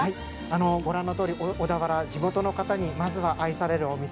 ◆ご覧のとおり、小田原、地元の方にまずは愛されるお店。